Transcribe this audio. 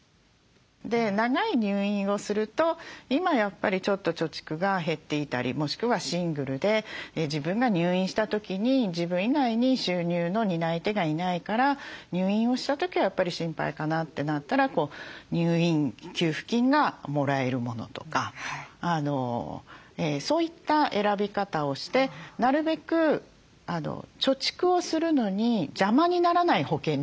長い入院をすると今やっぱりちょっと貯蓄が減っていたりもしくはシングルで自分が入院した時に自分以外に収入の担い手がいないから入院をした時はやっぱり心配かなってなったら入院給付金がもらえるものとかそういった選び方をしてなるべく貯蓄をするのに邪魔にならない保険料。